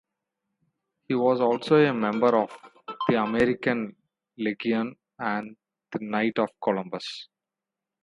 He was also a member of the American Legion and the Knights of Columbus.